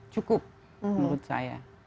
cukup menurut saya